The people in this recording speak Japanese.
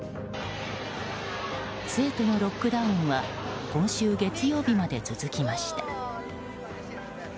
成都のロックダウンは今週月曜日まで続きました。